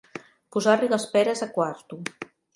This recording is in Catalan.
Posar-li les peres a quarto.